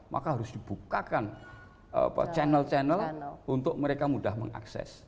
maka harus dibukakan channel channel untuk mereka mudah mengakses